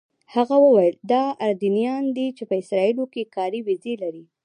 هغه وویل دا اردنیان دي چې په اسرائیلو کې کاري ویزې لري.